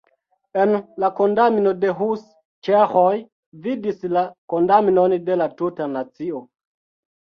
En la kondamno de Hus ĉeĥoj vidis la kondamnon de la tuta nacio.